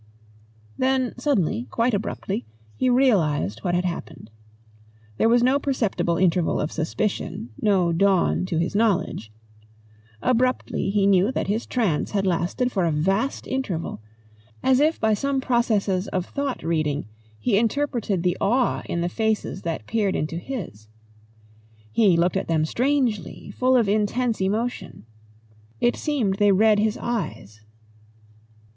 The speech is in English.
Then suddenly, quite abruptly, he realised what had happened. There was no perceptible interval of suspicion, no dawn to his knowledge. Abruptly he knew that his trance had lasted for a vast interval; as if by some processes of thought reading he interpreted the awe in the faces that peered into his. He looked at them strangely, full of intense emotion. It seemed they read his eyes.